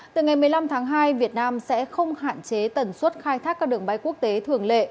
từ ngày một mươi năm tháng hai việt nam sẽ không hạn chế tần suất khai thác các đường bay quốc tế thường lệ